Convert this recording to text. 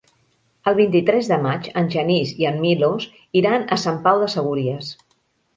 El vint-i-tres de maig en Genís i en Milos iran a Sant Pau de Segúries.